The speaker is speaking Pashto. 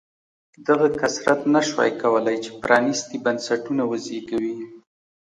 دغه کثرت نه شوای کولای چې پرانېستي بنسټونه وزېږوي.